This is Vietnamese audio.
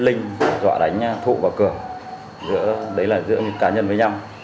linh dọa đánh thụ và cường giữa đấy là giữa cá nhân với nhau